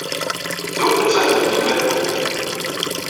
Ddumt ad tallemt yemma-twent.